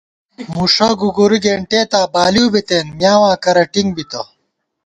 مُݭہ گُوگُری گېنٹېتابالِئیو بِتېن میاواں کرہ ٹِنگ بِتہ